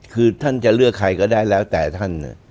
คือท่านจะเลือกใครก็ได้แล้วแต่ท่าน